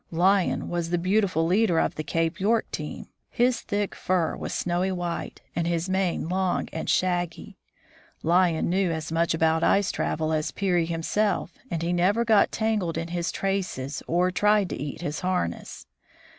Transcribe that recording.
Lion was the beautiful leader of the Cape York team. His thick fur was snowy white, and his mane long and shaggy. Lion knew as much about ice travel as Peary himself, and he never got tangled in his traces or tried to eat his harness.